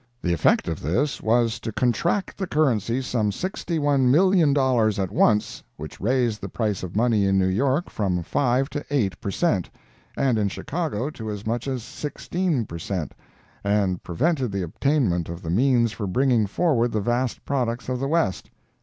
The effect of this was to contract the currency some $61,000,000 at once, which raised the price of money in New York from five to eight per cent., and in Chicago to as much as sixteen percent., and prevented the obtainment of the means for bringing forward the vast products of the West.